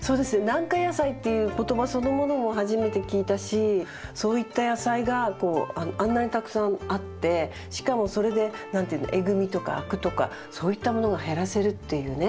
軟化野菜っていう言葉そのものも初めて聞いたしそういった野菜がこうあんなにたくさんあってしかもそれで何て言うのエグみとかアクとかそういったものが減らせるっていうね